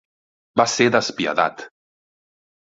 Va ser despiadat!